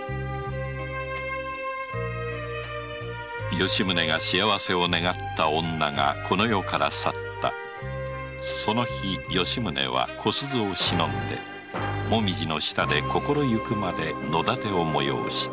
吉宗が幸せを願った女がこの世から去ったその日吉宗は小鈴を偲んで紅葉の下で心ゆくまで野点を催した